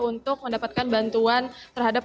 untuk mendapatkan bantuan terhadap